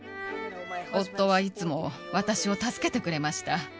夫はいつも、私を助けてくれました。